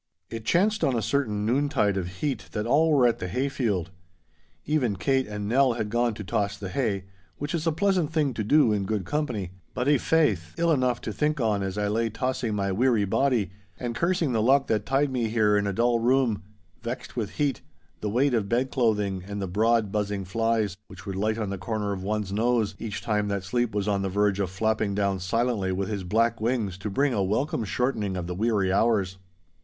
It chanced on a certain noontide of heat that all were at the hayfield. Even Kate and Nell had gone to toss the hay, which is a pleasant thing to do in good company, but, i' faith, ill enough to think on as I lay tossing my weary body, and cursing the luck that tied me here in a dull room—vexed with heat, the weight of bedclothing, and the broad buzzing flies which would light on the corner of one's nose, each time that sleep was on the verge of flapping down silently with his black wings to bring a welcome shortening of the weary hours.